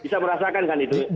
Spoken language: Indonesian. bisa merasakan kan itu